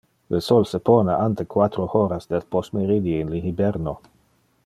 Le sol se pone ante quatro horas del postmeridie in le hiberno.